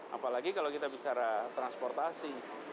apalagi kalau kita bicara transportasi